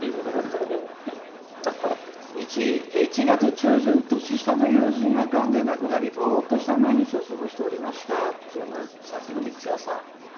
「１月中旬年下の友人が、がんで亡くなりぼーっとした毎日を過ごしておりました」っていうのはさっきの、みつよさん。